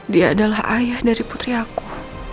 dia adalah ayah dari putri aku